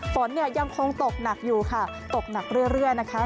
ฝนเนี่ยยังคงตกหนักอยู่ค่ะตกหนักเรื่อยนะคะ